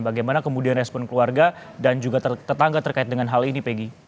bagaimana kemudian respon keluarga dan juga tetangga terkait dengan hal ini peggy